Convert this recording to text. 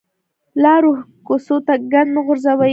لارو کوڅو ته ګند مه غورځوئ